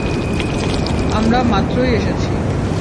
আমরা মাত্রই এসেছি।